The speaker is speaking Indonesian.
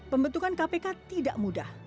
pembentukan kpk tidak mudah